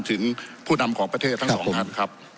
ถึงผู้นำของประเทศทั้งสองท่านครับ